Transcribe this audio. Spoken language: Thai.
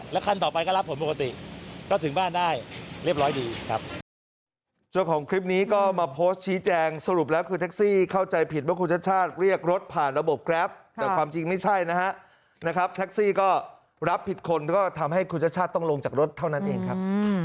คันต่อไปก็รับผลปกติก็ถึงบ้านได้เรียบร้อยดีครับ